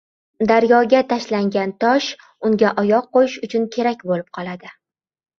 • Daryoga tashlangan tosh unga oyoq qo‘yish uchun kerak bo‘lib qoladi.